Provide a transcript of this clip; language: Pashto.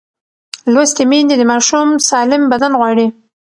لوستې میندې د ماشوم سالم بدن غواړي.